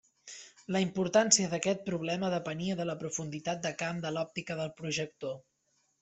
La importància d’aquest problema depenia de la profunditat de camp de l’òptica del projector.